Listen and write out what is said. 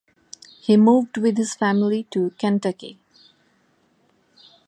He moved with his family to Kentucky.